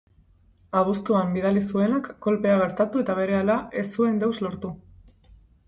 Abuztuan bidali zuenak, kolpea gertatu eta berehala, ez zuen deus lortu.